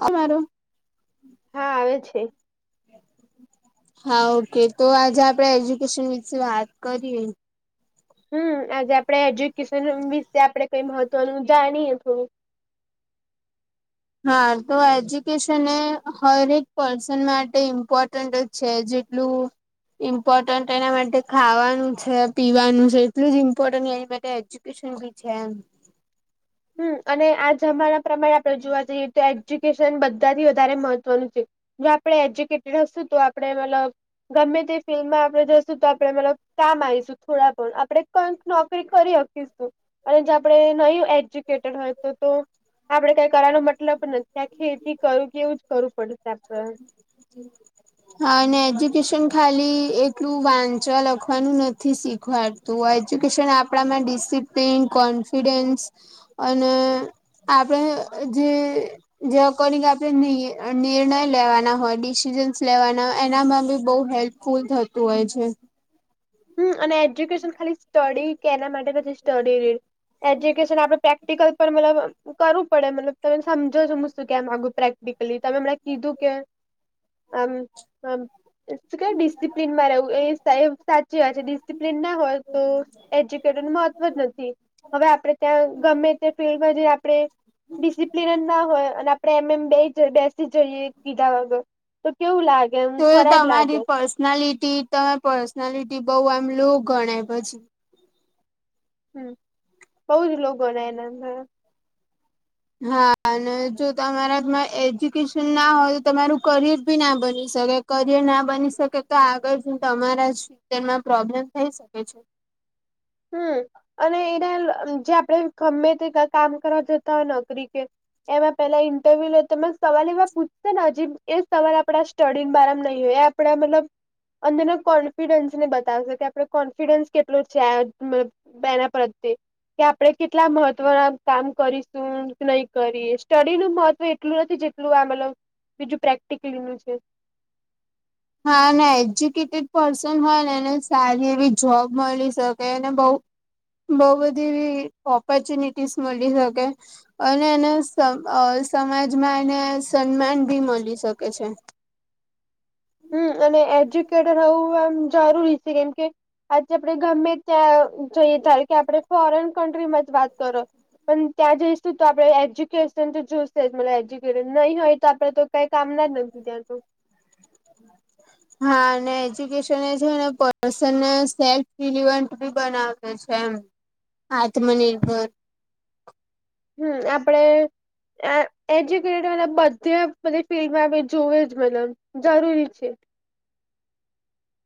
આ મારો હા આવે છે. [inaudible] હા ઓકે તો આજે આપડે એજ્યુકેશન વિશે વાત કરીએ હમ આજે આપડે એજ્યુકેશન વિશે આપડે કઈ મહત્વનું જાણીએે થોડુ. હા તો એજ્યુકેશન એ હરેક પર્સન માટે ઇમ્પોર્ટન્ટ છે જેટલુ ઇમ્પોર્ટન્ટ એના માટે ખાવાનું છે, પીવાનું છે એટલું જ ઇમ્પોર્ટન્ટ એની માટે કેશન છે, એમ હમ અને આ જમાના પ્રમાણે આપણે જોવા જઈએ તો એજ્યુકેશન બધાથી વધારે મહત્વનું છે. જો આપડે એજ્યુકેટેડ હશું તો આપણેે મલબ. ગમે તે ફિલ્મમાં આપણેે જશું તો આપડે મતલબ કામ આયી શું. થોડા પણ આપે કઈક નોકરી કરી હકીશું અને જો આપણે નઈ એજ કેટેડ હોય તો તો. આપડે કઈ કરવાનો મતલબ નથી ત્યાં ખેતી કરું કે એવું જ કરવું પડશે આપડે. [unintelligible] હા અને એજ્યુકેશન ખાલી એટલું વાંચવા લખવાનું નથી શીખવાડ તો એજ્યુકેશન આપડામાં ડિસિપ્લીન કોન્ફિડન્સ અને આપડે જે. જે એકોર્ડિંગ આપડે ની નિર્ણય લેવાના હોય. ડિસિઝન્સ લેવાના એનામાં બી બઉ હેલ્પફુલ થતું હોય છે. હમ અને એજ્યુકેશન ખાલી સ્ટડી કે એના માટે નથી સ્ટડી એજ્યુકેશન આપડે પ્રે પ્રેક્ટિકલ પર મતલબ કરવું પડે મલબ તમે સમજો છો હું શું કેવા માગું પ્રેક્ટી પેલી તમે હમણાં કીધું કે. આમ આમ શું કેવાય ડીસપ્લીન મા રેવું એ સાહેબ. જે આજે ડિસિપ્લન ના હોય તો એજ્યુકેટ મહત્વ જ નથી. હવે આપડે ત્યાં ગમે તે ફિલ્ડમાં જે આપડે ડિસિપ્લિન જ ના હોય અને આપડે એમ એમ બે. બેસી જઈએ કીધા વગર તો કેવું લાગે. એમ તો ખરાબ લાગે તમારી પર્સનાલિટી તમાર પર્સનાલિટી બઉ આમ લો ગણાય પછી. હમ બઉ જ લો ગણાય એના અંદર. હા અને જો તમારામાં એજ્યુકેશન ના હોય તો તમારું કરિયર ભી ના બની શકે. કરિયર ના બની શકે તો આગળ જો તમારા જ તેમાં પ્રોબ્લેમ થઈ શકે છે. હમ અને એના જે આપડે ગમે તે કામ કરવા જતા હોય નોકરી કે. એમાં પેલા ઇન્ટરવ્યુ લે તમને સવાલ એવા પૂછશે ને અજીબ એ સવાલ આપડા સ્ટડી બારા માં નહીં હોય એમ. આપણા મતલબ અંદરના કોન્ફિડન્સ ને બતાવશે કે આપણો કોન્ફિડન્સ કેટલું છે એમ. બ બે ના પ્રતિ. કે આપણે કેટલા મહત્વના કામ કરીશું નહી કરીએ સ્ટડી નું મહત્વ એટલું નથી જેટલું આ મતલબ બીજું પ્રેક્ટિકલી નું છે. હા ને એજ્યુકેટેડ પર્સન હોય ને એને સારી એવી જોબ મળી શકે એને બહુ બહુ બધી એવી ઓપોર્ચુનિટીસ મળી શકે. અને એને સમ અ સમાજમાં એને સન્માન ભી મળી શકે છે. હમ અને એજ્યુકેટેડ હવું એમ જરૂરી છે એમ કે. આજે આપણે ગમે ત્યાં જઈએ ઘારે કે આપણે ફોરેન કન્ટ્રીમાં જ વાત કરો. પણ ત્યાં જઈશું તો આપણે એજ્યુકેશન તો જોઈશે જ એજ્યુકેટેડ નહીં હોય તો આપણે તો કઈ કામના નથી ત્યાં તો. હમ [inaudible] હા ને એજ્યુકેશન એ છે ને પર્સનને સેલ્ફ રિલવન્ટ બી બનાવે. એ છે એમ આત્મનિર્ભર હમ આપણે અ એજ્યુકેટેડ બધે બધેય ફિલ્ડમાં બી જોવે જ મતલબ જરૂરી છે.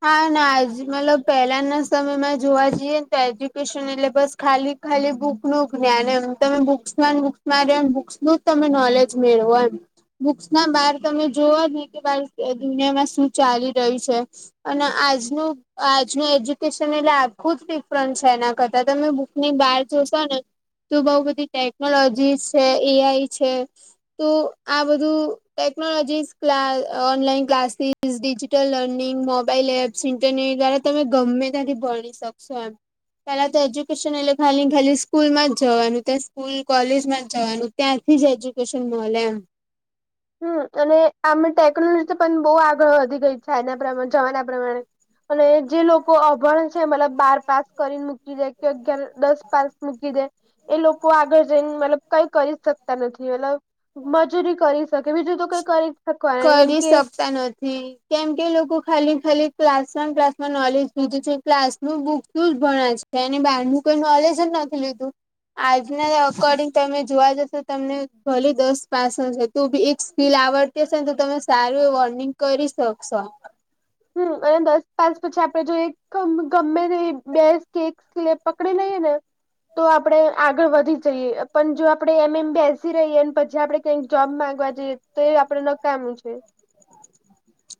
હા ના આજ મતલબ પહેલાના સમયમાં જોવા જઈએ ને તો એજ્યુકેશન એટલે બસ ખાલી ખાલી બુક નું જ્ઞાન એમ તમે બુક્સમાં બુક્સમાં રયોને બુક્સનું જ તમે નોલેજ મેળવો એમ. બુક્સ ના બહાર તમે જોવા જ નહી કે દુનિયામાં શું ચાલી રહ્યું છે. અને આજ નું. આજનું એજ્યુકેશનની એટલે આખું જ ડિફરન્સ છે એના કરતા તમે બુકની બહાર જોશો ને તો બહુ બધી ટેકનોલોજીસ છે એ આઈ છે. તો આ બધું ટેકનોલોજી ક્લાસ ઓનલાઈન ક્લાસથી ઇઝ ડિજિટલ લર્નિંગ મો મોબાઈલ એપ્સ ઇન્ટરનેટ દ્વારા તમે ગમે ત્યાથી ભણી શકશો એમ પેલા તો એજ્યુકેશન એટલે ખાલી ખાલી સ્કૂલ માં જવાનું ત્યાં સ્કૂલ કોલેજ માં જવાનું ત્યાંથી જ એજ્યુકેશન મળે એમ હમ અને આમે ટેકનોલોજી પણ બહુ આગળ વધી ગઈ છે આના પ્રમાણે જવાના પ્રમાણે અને જે લોકો અભણ છે મતલબ બાર પાસ કરીને મૂકી જે કે અગિયાર દસ પાસ મૂકી દે એ લોકો આગળ જઈને મતલબ કઈ કરી જ શકતા નથી મતલબ મજૂરી કરી શકે બીજું તો કઈ કરી શકવાનું કેમ કે સા નથી કેમ કે લોકો ખાલી ખાલી ક્લાસમાં ને ક્લાસ માં નોલેજ [unintelligible] છે ક્લાસ નું બુકનું જ ભણે છે તેની બહારનું કોઈ નોલેજ જ નથી લીધું આજના અકોર્ડિંગ તમે જોવા જશો તમને ભલી દસ પાસ છે તું બી એક સ્પીલ આવડતી હશે ને તો તમે સારું એ અર્નિંગ કરી શકશો હમ અને દસ પાસ પછી આપણે જોઈએ ગમે તે બે કે પકડી લઈએ ને તો આપણેે આગળ વધી એ પણ જો આપણે એમ એમ બી એસી રહીએ અને પછી આપડે કંઈક જોબ માંગવા જઈએ તો એ આપણે નકામું છે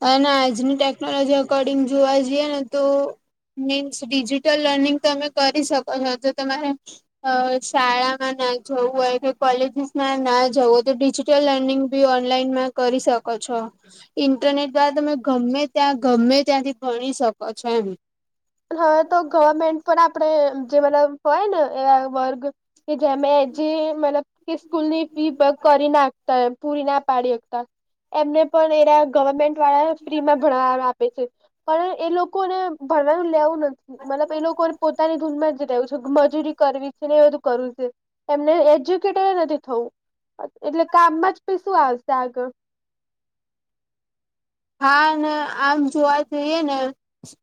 અને આજની ટેકનોલોજી અકોર્ડિંગ જોવા જઈએે ને તો મીન્સ ડિજિટલ લર્નિંગ તમે કરી શકો છો જો તમારે અ શાળામાં ના જવું હોય કે કોલેજસ માં ના જવું ડિજિટલ અર્નિંગ બી ઓનલાઈનમાં કરી શકો છો ઇન્ટરનેટ દ્વારા તમે ગમે ત્યાં ગમે ત્યાંથી ભણી શકો છો એમ હવે તો ગવર્મેન્ટ પણ આપડણે જે મતલબ હોય ને એવા વર્ગ કે જેમે જે મતલબ કે સ્કૂલની ફી કરી નાખતા એ પૂરી ના પાડી શકતા એમને પણ એ ગવર્મેન્ટ વાળા ફ્રી માં ભણવા આપે છે પણ એ લોકોને ભણવાનું લેવું નથી મતલબ એ લોકોને પોતાની ધૂન માં જ રહ્યું છે મજૂરી કરવી છે ને એ બધું કરવું છે એમને એજ્યુકેટેડ નથી થવું એટલે કામમાં જી શું આવશે આગળ હા આમ જોવા જોઈએ ને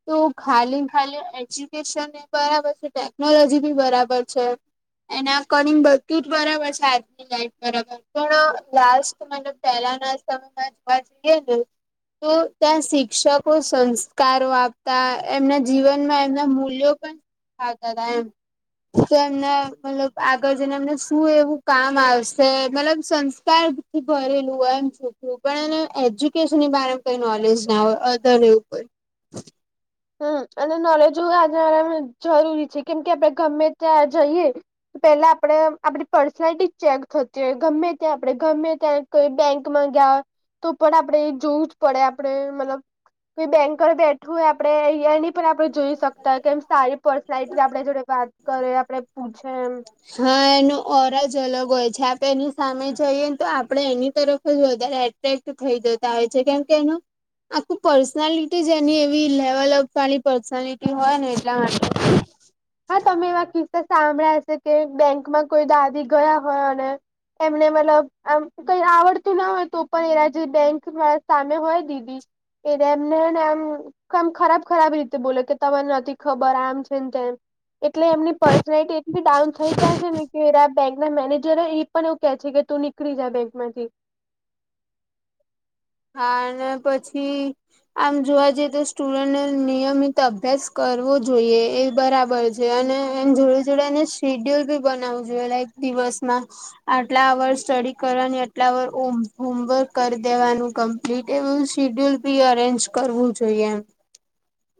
તો ખાલી ખાલી એજ્યુકેશન બરાબર છે ટેકનોલોજી બી બરાબર છે એના અકોનિંગ બધું જ બરાબર છે આ રાબર પણ લ્ટ મ પેલા ના સમયમાં જોવા જઈએ ને તો ત્યાં શિક્ષકો સંસ્કારો આપતા એમના જીવનમાં એમના મૂલ્યો પણ હા દાદા એમ તો એમને મતલબ આગળ જઈને અમને શું એવું કામ આવશે મતલબ સંસ્કાર ભરેલું એમ એજ્યુકે ની બ કઈ નોલેજ ના હોય અધર એવું હો હમ અને નોલેજ આજ જરૂરી છે કેમ કે આપડે ગમે ત્યાં જઈએ પેલા આપડે આપડી પર્સનાલિટી ચેક થતી હોય ગમે ત્યાં આપડે ગમે ત્યાં કોઈ બેંકમાં ગયા તો પણ આપણેે જોવું જ પડે આપણે મતલબ કોઈ બેંક બેઠું આપ આપણે અંયાની પણ આપણે જોઈ શકતા હોય કેમ સારી પર્સનાલિટી આપણે જોડે વાત કરે આપડે પૂછે એમ હા એનું ઓરા જ અલગ હોય છે આપે એની સામે જઈએ ને તો આપડે એની તરફ જ વધારે ક થઈ જેતા હોય છે કેમ કે એનું આખું પર્સનાલિટી જ એની એવી લેવલપ વાળી પર્સનાલિટી હોય ને એટલા માટે હા તમે એવા કિસ્સા સાંભળ્યા છે કે બેંકમાં કોઈ દાદી ગયા હોય અને એમને મતલબ આમ કઈ આવડતું ના હોય તો પણ એના જે બેંક વા સામે હોય દીદી એટ એમનેને આમ મ ખરાબ ખરાબ રીતે બોલો કે તને નથી ખબર આમ છે ને તેમ એટલે એમની પર્સનાલિટી એટલી ડાઉન થઈ જાય છે ને કે બેંકના મેનેજરો ઈ પણ એવ કે છે, કે તું નીકળી જા બેંકમાંથી હા અને પછી આમ જોવા જઈએ તો સ્ટુડન્ટને નિયમિત અભ્યાસ કરવો જોઈએ એ બરાબર છે, અને એમ જોડે જોડે એને શેડ્યુલ બી બનાવવું જોઈએ લાઈક દિવસમાં આટલા વર્ષ સ્ટડી કરવાની આટલા વાર ઓમ હોમવર્ક કરી દેવાનું કમ્પ્લીટ એમ શીડ્યુલ બી અરેન્જ કરવું જોઈએ એમ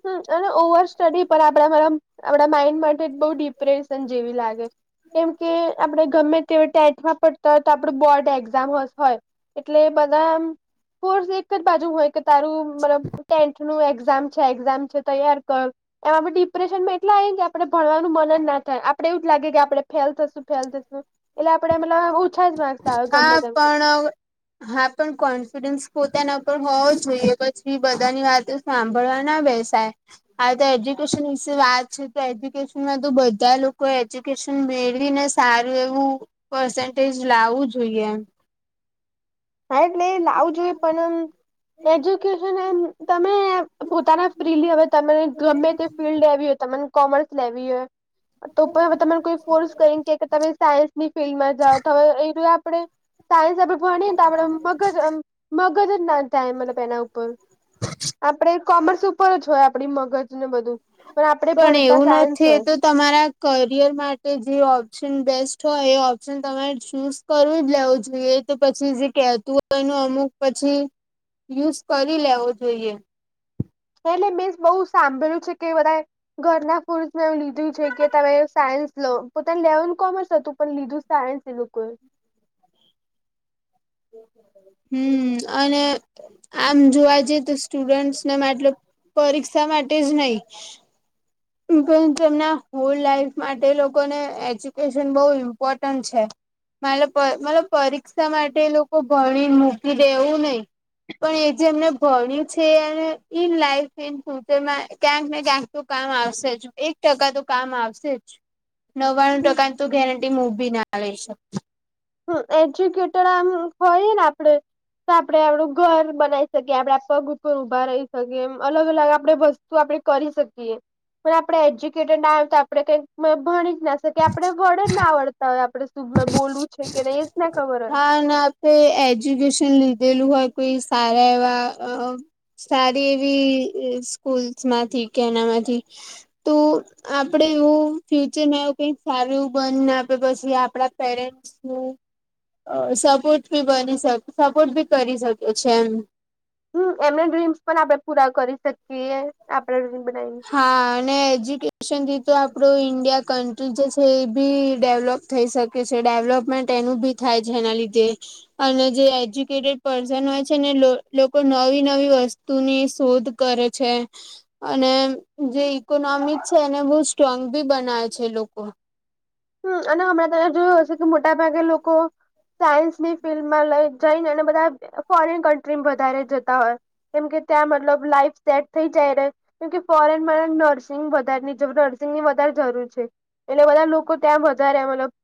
હ અને ઓવર સ્ટડી પણ આપડા [unintelligible] આપડા માઇ માટે બો ડિપ્રેશન જેવી લાગે કેમ કે આપડ ગમે તેવ ટેટમાં પડતા હોય તો આપડુ બોર્ડ એક્ઝામ હોસ હોય એટલે બધા એમ કોર્સ એક જ બાજુ હોય કે તારું મતલબ ટેનથ નુ એક્ઝામ છે, એક્ઝામ છે, તૈયાર ક એમ આપે ડિપ્રેશનમાં એટલાય કે આપણે ભણવાનું મન જ ના થાય આપડે એવું જ લાગે કે આપડણે ફેલ થશું ફેલ થશું એટલે આપડે મટલબ ઓછા જ મા હા પણ હા પણ કોન્ફિડન્સ પોતાના ઉપર હોવો જોઈએ પછી બધાની વાત હાભળવા ના બેસાય આ તો એજ્યુકેશન વિશે વાત છે, તો એજ્યુકેશનમાં તો બધા લોકો એજુ કેસન મેળવીને સારું એવું પસન્ટેજ લાવું જોઈએ એમ હા એટલે એ લાવું જોઈએ પણ એજ્યુકેશન એમ તમે પોતાના ફ્રીલી હવે તમે ગમે તે ફિલ્ડ આયવી હોય તમને કોમર્સ લેવી હોય [inaudible] તો પય હવે તને કોઈ ફોર્સ કરીન કે કે તમે સાયન્સની ફિલ્ડમાં જાઓ તમે એટલે આપણે સાયન્સ આપડે ભ તા આપડે મગજ મગજ જ ના થાય મતલબ એના ઉપર આપડે કોમર્સ ઉપર જ હોય આપણી મગજને બધું પણ આપડે ભણતા એવું સાયન્સ નથી એ હોય તો તમારા કરિયર માટે જે ઓપ્શન બેસ્ટ હોય એ ઓપ્શન તમારે ચુઝ કરવું જ લેવું જોઈએ તો પછી જે કહેતું હોય એનું અમુક પછી યુઝ કરી લેવો જોઈએ. એટલે મે બોઉ સાંભળ્યું છે, કે બધાએ ઘરના ફુરસમાં એવું લીધું છે, કે તમે સાયન્સ લો પોતાનું લેવનુ કોમર્સ હતું પણ લીધું સાયન્સ લીધુ કોય હમ અને આમ જોવા જઈએ તો સ્ટુડન્ટસને મા આટલે પરીક્ષા માટે જ નઈ પરતુ તેમના હોલ લાઈફ માટે લોકોને એજ્યુકેશન બો ઇમ્પોર્ટન્ટ છે. માલ પ મતલબ પરીક્ષા માટે લોકો ભણી મૂકી દે એવુ નઈ પણ એ જે એમને ભણ્યું છે, એને ઈન લાઈફ ઈન ફ્યુચરમાં ક્યાંક ને ક્યાંક તો કામ આ સેજ એક ટકા તો કામ આવશે જ નવ્વાણું ટકા તો ગેરં ટી મુ ભી ના લઈ [unintelligible] હ એજ્યુકેટેડ આમ હોય ને આપડે તો આપડે આપડું ઘર બનાવી શકીએ આપડે પગ ઉપર ઊભા રહી શકીએ એમ અલગ અલગ આપડે વસ તુ આપણે કરી શકીએ પણ આપડે એજ્યુકેટેડ ના તો આપણે કઈક ભણી જ ના શકીએ આપડે વડ જ ના આવડતા હોય આપડે [unintelligible] બોલું છે, કે નય હા ના પે એજ્યુકેશન લીધેલું હોય તો ઈ સારા એવા અ સારી એવી સ્કૂલ્સ માંથી કે એનામાંથી તુ આપડે એવું ફ્યુચરમાં એવું કઈક સારું એવું બન આપડે પછી આપડા પેરેન સનુ અ સપોર્ટ બી બની શ સપોર્ટ બી કરી શકો છે, એમ હમ એમને ડ્રીમ્સ પણ આપડે પૂરા કરી શકીએ આપરા ડ્રીમ બનાવી હા અને એજ્યુકેશનથી તો આપણું ઈન્ડિયા કન્ટ્રી જે છે, એ બી ડેવલપ થઈ શકે છે ડેવલપમેન્ટ એનું બી થાય છે એના લીધે. અને જે એજ્યુકેટેડ પર્સન હોય છે ને લોકો નવી નવી વસ તુની શોધ કરે છે. અને જે ઈકોનોમિક છે એને બો સ્ટ્રોંગ બી બનાવે છે લોકો. હમ, અને હમણાં ત્યાં જોયો હશે કે મોટા ભાગે લોકો સાયન્સની ફિલ્ડમાં લઈ જઈને એ બધા ફોરીન કન્ટ્રીમાં વધારે જતા હોય. કેમ કે ત્યાં મતલબ લાઈફ સેટ થઈ જાય ને કેમકે ફોરેન નર્સિંગ વધારે જ નર્સિંગની વધારે જરૂર છે એટલે બધા લોકો ત્યાં વઘારે મતલબ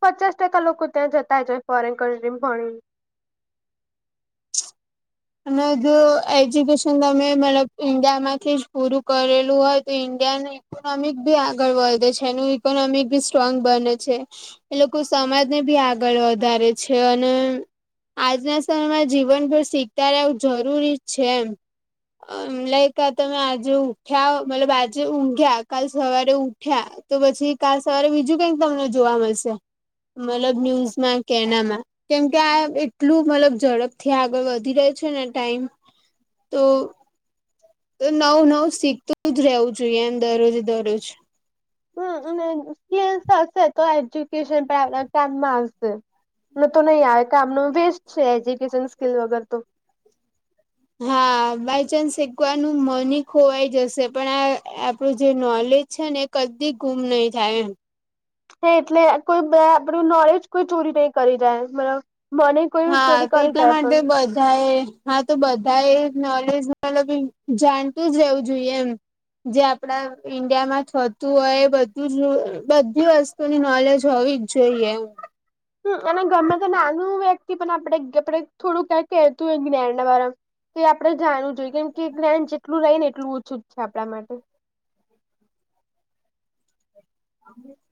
પચાસ ટકા લોકો ત્યાં જતા જ ફોરેન કન્ટ્રી ભણી અને બધું એજ્યુકેશન તમે મતલબ ઈન્ડિયામાંથી જ પૂરું કરેલું હોય તો ઈન્ડિયાને ઇકોનોમિક બી આગળ વધે છે એનું ઇકોનોમિક બી સ્ટ્રોંગ બને છે. એ લોકો સમાજને બી આગળ વધારે છે અને આજના સમયમાં જીવનભર શીખતા રહેવું જરૂરી છે એમ. અ લાઈક આ તમે આજે ઉઠ્યા મતલબ આજે ઊંઘ્યા કાલ સવારે ઉઠ્યા. તો પછી કાલ સવારે બીજું કઈક તમને જોવા મળશે મતલબ ન્યૂઝમાં કે એનામાં. કેમ કે આ એટલું મતલબ ઝડપથી આગળ વધી રહે છે ને ટાઈમ તો તો નવુ નવુ શીખતું જ રહેવું જોઈએ એમ દરરોજે દરરોજ. હમ, અને સ્કીલસ હશે તો એજ્યુકેશન ટ કામમાં આવશે. ન તો નઈ આવે કામનો વેસ્ટ છે એજ્યુકેશન સ્કીલ વગર તો. હા, બાયચાન્સ શીકવાનું મન ખોવાઈ જશે પણ આ આપણું જે નોલેજ છે ને કદી ગુમ નઈ થાય એમ. હે એટલે કોઈ બે આપણું નોલેજ કોઈ ચોરી નઈ કરી જાય બરા મને કોઈ હા, ચોરી તો કરી એટલા જાય માટે પણ બધાં એ હા, તો બધા એ નોલેજ મતલબ જાણતું જ રહેવું જોઈએ એમ. જે આપડા ઈન્ડિયા માં થતું હોય એ બધું બધી વસ્તુ ની નોલેજ હોવી જ જોઈએ એ એના ગરમે તો નાનું વ્યક્તિ પણ આપડે આપડ થોડું ક્યા કતું હોય જ્ઞાન ના તે આપડણે જાણવું જોઈએ કેમ કે જ્ઞાન જેટલું રહી ને એટલું ઓછું જ છે. આપણા માટે [inaudible]